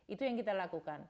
itu yang kita lakukan